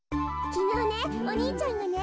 きのうねお兄ちゃんがね